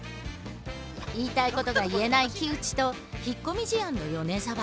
言いたいことが言えない木内と引っ込み思案の米沢。